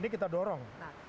nah ini kita dorong